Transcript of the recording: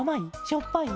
しょっぱい？